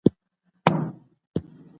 پلار زموږ د ژوند د هرې بریا اصلي اتل دی.